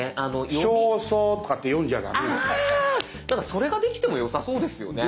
それができてもよさそうですよね。